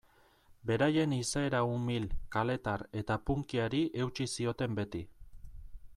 Beraien izaera umil, kaletar eta punkyari eutsi zioten beti.